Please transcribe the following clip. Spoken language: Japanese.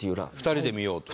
２人で見ようと？